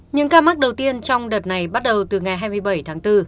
những ca mắc đầu tiên trong đợt này bắt đầu từ ngày hai mươi bảy tháng bốn